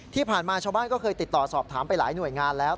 ที่ผ่านมาชาวบ้านก็เคยติดต่อสอบถามไปหลายหน่วยงานแล้ว